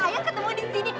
aduh ayang ketemu di sini